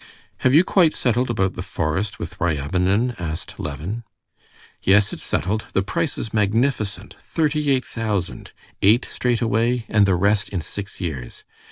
"Have you quite settled about the forest with Ryabinin?" asked Levin. "Yes, it's settled. The price is magnificent; thirty eight thousand. Eight straight away, and the rest in six years.